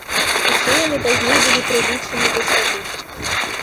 Усе яны пазней былі прылічаны да святых.